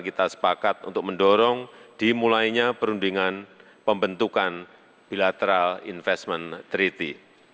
kita sepakat untuk mendorong dimulainya perundingan pembentukan bilateral investment treaty